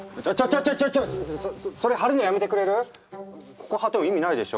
ここ貼っても意味ないでしょ？